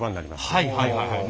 はいはいはいはい。